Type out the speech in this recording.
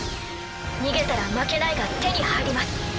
逃げたら「負けない」が手に入ります。